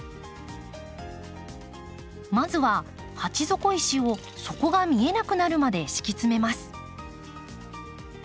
まずは鉢底石を底が見えなくなるまで敷き詰めます。